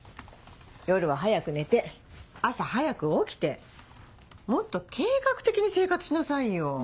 夜は早く寝て朝早く起きてもっと計画的に生活しなさいよ。